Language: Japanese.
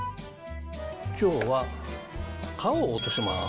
きょうは皮を落とします。